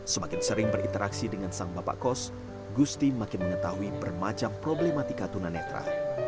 semakin sering berinteraksi dengan sang bapak kos gusti makin mengetahui bermacam problematika tunanetra